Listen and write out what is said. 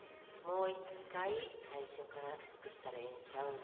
もう１回最初から作ったらええんちゃうの。